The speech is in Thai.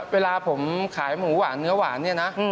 เวลาผมขายหมูหวานเนื้อหวานเนี่ยนะ